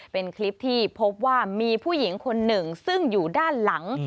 เป็นคลิปที่พบว่ามีผู้หญิงคนหนึ่งซึ่งอยู่ด้านหลัง